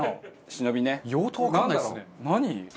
何？